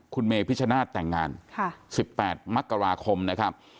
คุณเมพิชนาศแต่งงานค่ะสิบแปดมักกระวาคมนะครับ